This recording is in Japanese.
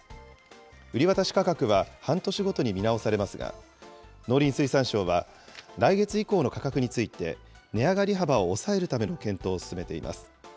売り渡し価格は半年ごとに見直されますが、農林水産省は来月以降の価格について、値上がり幅を抑えるための検討を進めています。